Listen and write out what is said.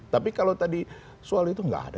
tapi kalau tadi soal itu nggak ada